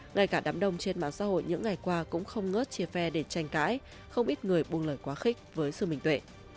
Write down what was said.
ngay cả đám đông trên mạng xã hội những ngày qua cũng không ngớt chia phe để tranh cãi không ít người buông lời quá khích với sự mình tuệ